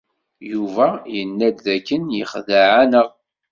Yuba yenna-d dakken yexdeɛ-aneɣ.